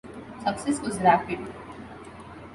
Success was rapid.